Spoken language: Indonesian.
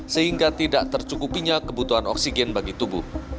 sehingga tidak tercukupinya kebutuhan oksigen bagi tubuh